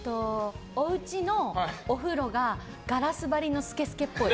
おうちのお風呂がガラス張りのスケスケっぽい。